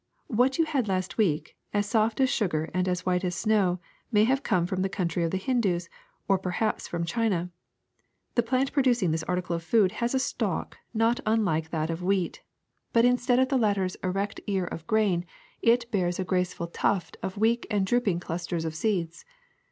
What you had last week, as soft as sugar and as white as snow, may have come from the country of the Hindus, or perhaps from China. The plant producing this article of food has a stalk not unlike that of wheat: but instead of the 278 THE SECRET OF EVERYDAY THINGS latter 's erect ear of grain it bears a graceful tuft of weak and drooping clusters of seeds.